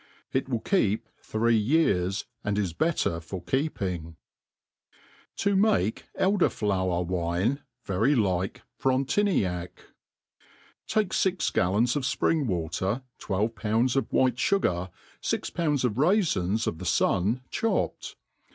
It will keep three years, and is bet ter for keeping* ' 7# make Elder Flower U^ine^ very Uh Frentimac. TAKE fix gallons of fpring water, twelve pounds of white fugar, fix pounds of raifins of the fun chopped.